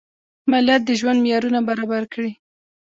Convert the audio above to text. مالیات د ژوند معیارونه برابر کړي.